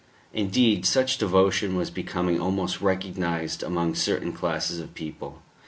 Indeed, such devotion was becoming almost recognised among certain classes of people.